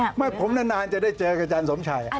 เมื่อผมนานจะได้เจอกับอาจารย์สมชัย